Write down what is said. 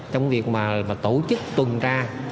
trong việc mà tổ chức tuần tra